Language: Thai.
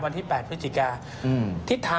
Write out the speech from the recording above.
วันที่๘พฤศจิกา